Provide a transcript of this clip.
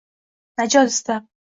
Najot istab